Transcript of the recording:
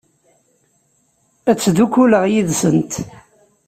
Ad ttdukkuleɣ yid-sent.